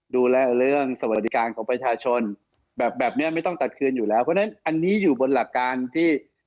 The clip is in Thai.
ดูแลเรื่องสวัสดิการของประชาชนแบบแบบนี้ไม่ต้องตัดคืนอยู่แล้วเพราะฉะนั้นอันนี้อยู่บนหลักการที่